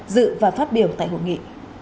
dự và phát biểu tại hội nghị